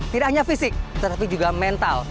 tidak hanya fisik tetapi juga mental